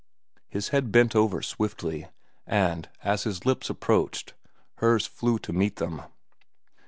His head bent over swiftly, and, as his lips approached, hers flew to meet them.